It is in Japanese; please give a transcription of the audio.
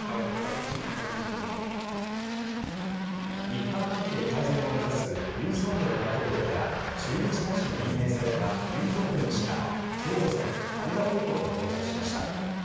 日韓関係改善を目指す尹錫悦大統領から駐日大使に任命されたユン・ドクミン氏が今日午前羽田空港に到着しました。